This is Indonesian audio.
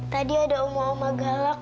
tadi ada orang orang yang terlalu galak